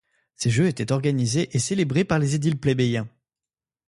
Ces jeux étaient organisés et célébrés par les édiles plébéiens.